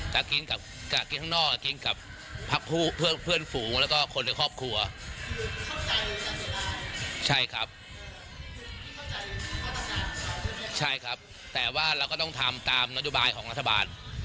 ใช่ครับใช่ครับแต่ว่าเราก็ต้องทำตามนโยบายของรัฐบาล